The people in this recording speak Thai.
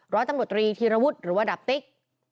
ร้อยตำรวจตรีธีรวุฒิหรือว่าดาบติ๊ก